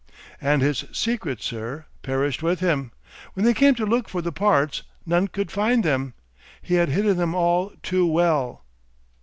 "And his secret, sir, perished with him! When they came to look for the parts none could find them. He had hidden them all too well."